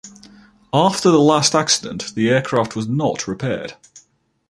After the last accident the aircraft was not repaired.